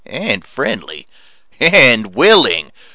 And friendly. And willing.